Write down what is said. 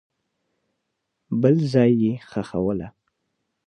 بل ځای یې ښخوله.